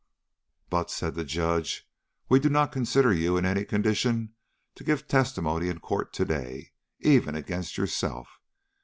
"But," said the Judge, "we do not consider you in any condition to give testimony in court to day, even against yourself.